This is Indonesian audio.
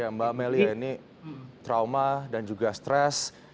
ya mbak melia ini trauma dan juga stres